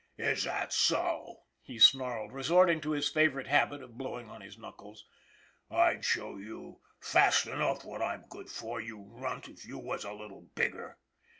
" Is that so !" he snarled, resorting to his favorite habit of blowing on his knuckles. " I'd show you fast enough what I'm good for, you runt, if you was a little bigger!''